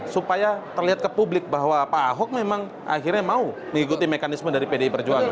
supaya terlihat ke publik bahwa pak ahok memang akhirnya mau mengikuti mekanisme dari pdi perjuangan